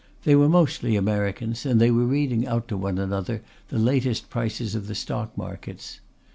They were mostly Americans, and they were reading out to one another the latest prices of the stock markets.